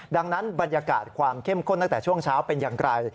ดังนั้นบรรยากาศความเข้มข้นตั้งแต่ช่วงเช้าเป็นอย่างไร